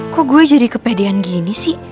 kok gue jadi kepedean gini sih